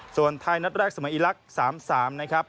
ส่วนไทยนัดแรกสมัยอีลักษณ์๓๓นะครับ